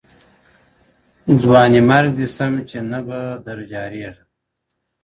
• ځوانِ مرګ دي سم چي نه به در جارېږم,